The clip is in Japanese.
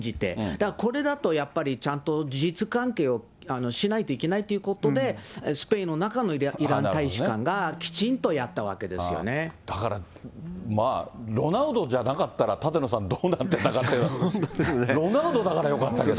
だからこれだとやっぱり、事実関係をしないといけないということで、スペインの中のイラン大使館が、だから、ロナウドじゃなかったら、舘野さん、どうなってたかというの、ロナウドだからよかったけど。